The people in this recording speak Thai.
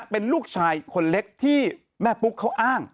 เป็นลูกชายคนเล็กที่แม่ปุ๊กเขาอ้าง